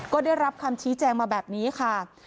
ก็ได้รับคำชี้แจงมาแบบนี้ค่ะ